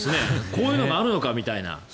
こういうのがあるのかみたいな。